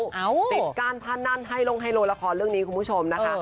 ติดก้านผ้านั่นให้ลงไฮโลละครเรื่องนี้คุณผู้ชมนะคะ